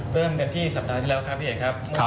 เริ่มกันที่สัปดาห์ที่แล้วครับพี่เอกครับ